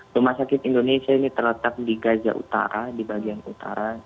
rumah sakit indonesia ini terletak di gaza utara di bagian utara